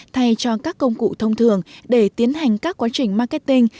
thay cho các công cụ thông thường để tiến hành các quá trình marketing